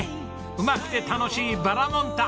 うまくて楽しいバラモン太。